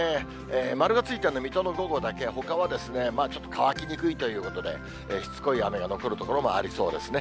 丸がついているのは、水戸の午後だけ、ほかはちょっと乾きにくいということで、しつこい雨が残る所もありそうですね。